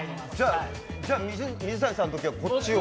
じゃあ水谷さんのときはこっちを？